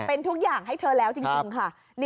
เป็นทุกอย่างให้เธอแล้วจริงค่ะ